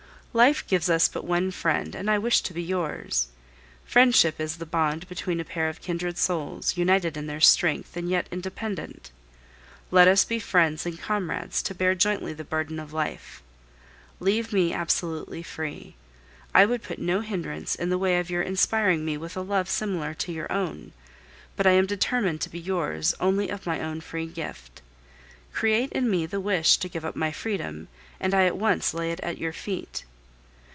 "Life gives us but one friend, and I wish to be yours. Friendship is the bond between a pair of kindred souls, united in their strength, and yet independent. Let us be friends and comrades to bear jointly the burden of life. Leave me absolutely free. I would put no hindrance in the way of your inspiring me with a love similar to your own; but I am determined to be yours only of my own free gift. Create in me the wish to give up my freedom, and at once I lay it at your feet.